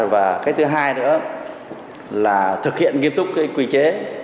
và cái thứ hai nữa là thực hiện nghiêm túc cái quy chế